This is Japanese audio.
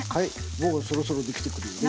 もうそろそろできてくるよね。